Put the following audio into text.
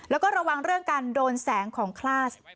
แล้วก็ระวังเรื่องการโดนแสงของคลาส